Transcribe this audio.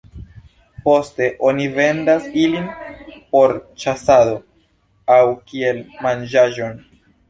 Poste oni vendas ilin por ĉasado aŭ kiel manĝaĵon.